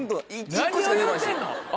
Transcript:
何を言うてんの？